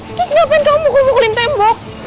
itu kenapa kamu ngukulin tembok